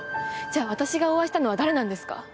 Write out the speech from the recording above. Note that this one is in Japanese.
じゃあ私がお会いしたのは誰なんですか？